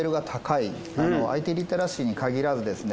ＩＴリテラシーに限らずですね